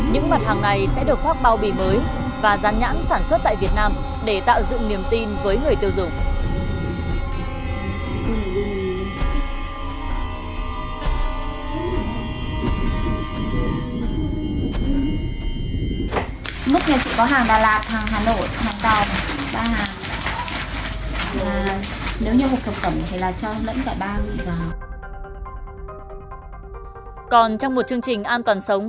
những mặt hàng này sẽ được khoác bao bì mới và rán nhãn sản xuất tại việt nam để tạo dựng niềm tin với người tiêu dùng